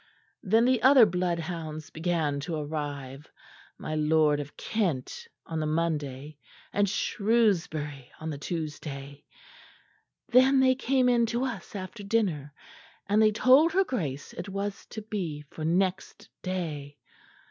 Then the other bloodhounds began to arrive; my lord of Kent on the Monday and Shrewsbury on the Tuesday. Then they came in to us after dinner; and they told her Grace it was to be for next day.